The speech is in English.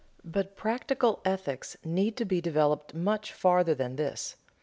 But practical ethics need to be developed much farther than this.